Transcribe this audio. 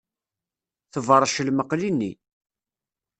Tebṛec lmeqli-nni.